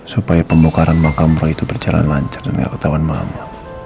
supaya pembukaran makam ra itu berjalan lancar dan gak ketauan mama